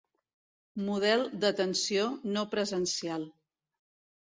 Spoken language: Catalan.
Model d'atenció no presencial.